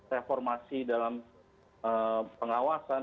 reformasi dalam pengawasan